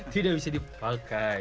tidak bisa dipakai